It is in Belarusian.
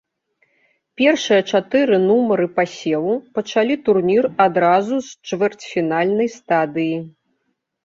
Першыя чатыры нумары пасеву пачалі турнір адразу з чвэрцьфінальнай стадыі.